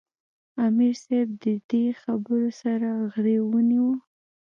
" امیر صېب د دې خبرو سره غرېو ونیوۀ ـ